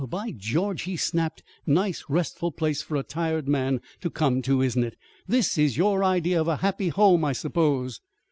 "Well, by George!" he snapped. "Nice restful place for a tired man to come to, isn't it? This is your idea of a happy home, I suppose!"